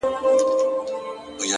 • پردي وطن ته په کډه تللي ,